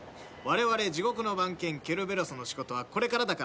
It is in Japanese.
われわれ地獄の番犬・ケルベロスの仕事はこれからだからな。